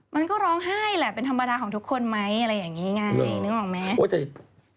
มันก็ร้องไห้แหละเป็นธรรมดาของทุกคนไหมอะไรอย่างนี้ไงนึกออกไหม